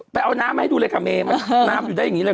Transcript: ไปเอาน้ำมาให้ดูเลยค่ะเมย์น้ำอยู่ได้อย่างนี้เลย